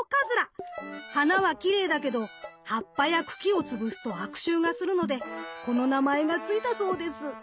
花はきれいだけど葉っぱや茎をつぶすと悪臭がするのでこの名前がついたそうです。